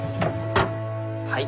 はい。